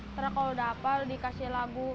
setelah kalau udah hafal dikasih lagu